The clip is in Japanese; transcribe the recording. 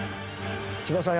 千葉さん